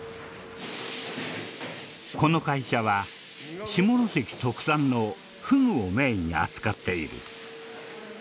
この会社は下関特産のフグをメインに扱っている。